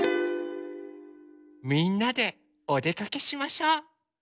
みんなでおでかけしましょう。